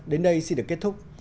đến đây xin được kết thúc